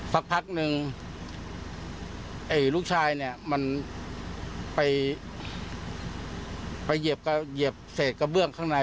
สักพักนึงลูกชายเนี่ยมันไปเหยียบเศษกระเบื้องข้างใน